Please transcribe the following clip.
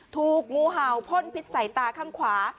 ถูกงูเห่าพ่นพิษใส่ตาข้างขวา